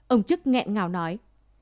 ông trức nghẹn ngào nói